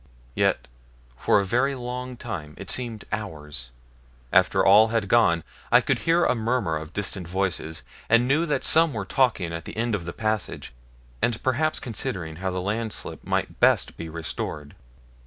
Yet for a very long time it seemed hours after all had gone I could hear a murmur of distant voices, and knew that some were talking at the end of the passage, and perhaps considering how the landslip might best be restored.